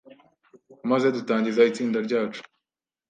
maze dutangiza itsinda ryacu